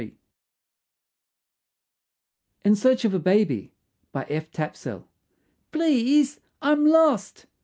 IN SEARCH OF A BABY BY F. TAPSELL "Please, I'm lost."